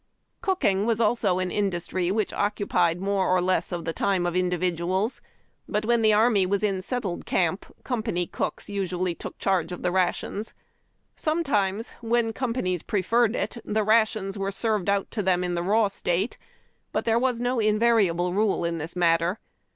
Cooking was also an industry which occupied 'more or less of the time of individuals ; but when the army was in settled camp company cooks usually took charge of the rations. Sometimes, where companies preferred it, the ra tions were served out to them in the raw state ; but there was no invariable rule in this matter.